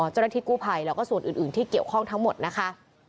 เจ้าหน้าที่กู้ภัยแล้วก็ส่วนอื่นที่เกี่ยวข้องทั้งหมดนะคะ